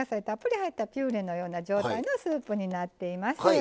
たっぷり入ったピューレのような状態のスープになっています。